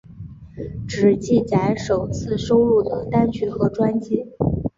只记载首次收录的单曲和专辑。